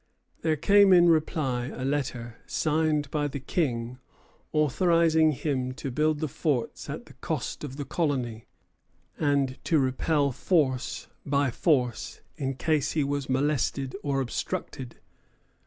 There came in reply a letter, signed by the King, authorizing him to build the forts at the cost of the Colony, and to repel force by force in case he was molested or obstructed.